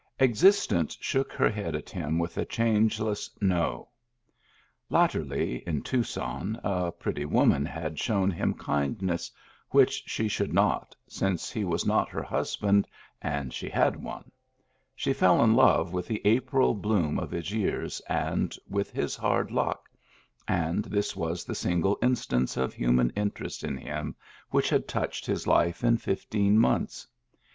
Existence shook her head ?it him with a changeless " No." Lat terly, in Tucson, a pretty woman had shown him kindness which she should not, since he was not her husband and she had one. She fell in love with the April bloom of his years and with his hard luck — and this was the single instance of human interest in him which had touched his life in fifteen months.